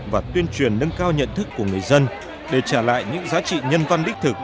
và tuyên truyền nâng cao nhận thức của người dân để trả lại những giá trị nhân văn đích thực